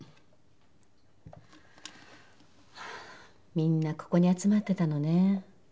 みんなここに集まってたのね。